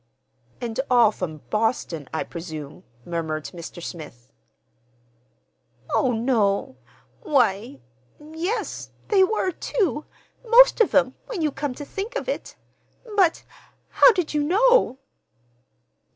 "And all from Boston, I presume," murmured Mr. Smith. "Oh, no,—why, yes, they were, too, most of 'em, when you come to think of it. But how did you know?"